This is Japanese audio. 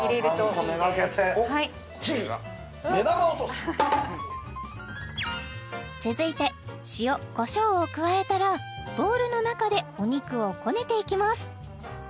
秘技目玉落とし続いて塩こしょうを加えたらボウルの中でお肉をこねていきます